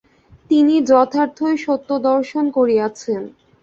তিনি যথার্থই সত্য দর্শন করিয়াছেন।